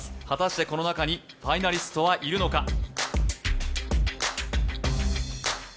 果たしてこの中にファイナリストはいるのか？